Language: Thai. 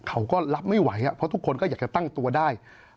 เขาก็รับไม่ไหวเพราะทุกคนก็อยากจะตั้งตัวได้